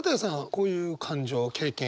こういう感情経験。